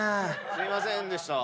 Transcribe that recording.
すいませんでした。